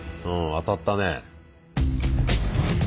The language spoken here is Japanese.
当たったね。